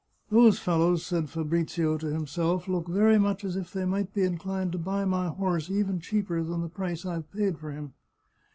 " Those fellows," said Fabrizio to himself, " look very much as if they might be inclined to buy my horse even cheaper than the price I've paid for him."